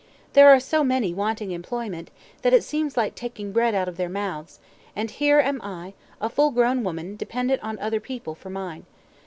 There are so many wanting employment, that it seems like taking bread out of their mouths; and here am I, a full grown woman, dependent on other people for mine.